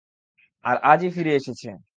আর আজই ফিরে এসেছে।